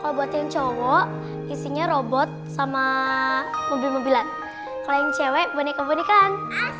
kalau buat yang cowok isinya robot sama mobil mobilan klien cewek boneka bonekan